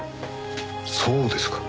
そうですか。